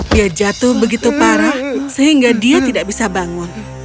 dia jatuh begitu parah sehingga dia tidak bisa bangun